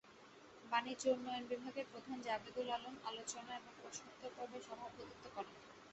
বাণিজ্য উন্নয়ন বিভাগের প্রধান জাবেদুল আলম আলোচনা এবং প্রশ্নোত্তর পর্বের সভাপতিত্ব করেন।